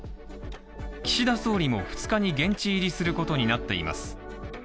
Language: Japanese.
岸田総理も２日に現地入りすることになっています。